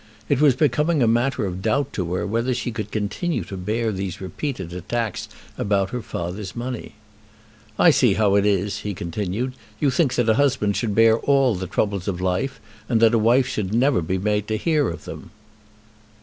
It was becoming a matter of doubt to her whether she could continue to bear these repeated attacks about her father's money. "I see how it is," he continued. "You think that a husband should bear all the troubles of life, and that a wife should never be made to hear of them."